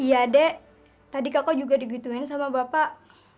iya dek tadi kakak juga digituin sama bapak